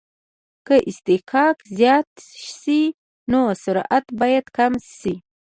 که اصطکاک زیات شي نو سرعت باید کم شي